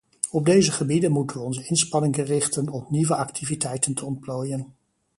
Op deze gebieden moeten we onze inspanningen richten om nieuwe activiteiten te ontplooien.